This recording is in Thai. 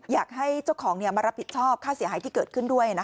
อยากให้เจ้าของมารับผิดชอบค่าเสียหายที่เกิดขึ้นด้วย